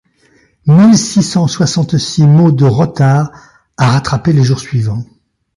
Mille six-cent soixante-six mots de retard à rattraper les jours suivants.